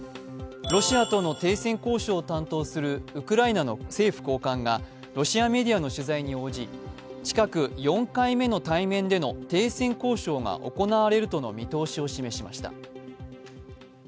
ロシアとの停戦交渉を担当するウクライナの政府高官がロシアメディアの取材に応じ、近く４回目の対面での停戦交渉が行われるとの見通しを示しました。